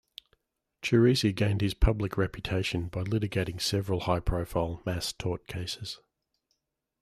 Ciresi gained his public reputation by litigating several high-profile mass tort cases.